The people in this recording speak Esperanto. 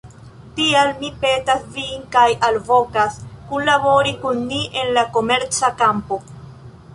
Tial, ni petas vin kaj alvokas, kunlabori kun ni en la komerca kampo.